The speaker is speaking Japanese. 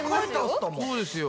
そうですよ。